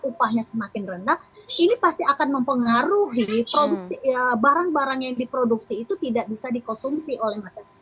upahnya semakin rendah ini pasti akan mempengaruhi barang barang yang diproduksi itu tidak bisa dikonsumsi oleh masyarakat